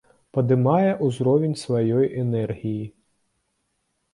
Падымае ўзровень сваёй энергіі.